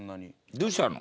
どうしたの？